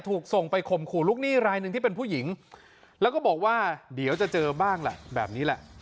ถูกส่งไปข่มขู่ลูกหนี้รายหนึ่งที่เป็นผู้หญิงแล้วก็บอกว่าเดี๋ยวจะเจอบ้างแหละแบบนี้แหละ